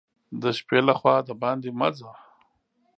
د شپې له خوا دباندي مه ځه !